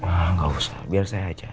ah gak usah biar saya aja